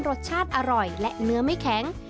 รสชาติอร่อยและเนื้อไม่แข็ง